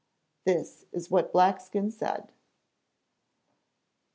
This is what Blackskin said.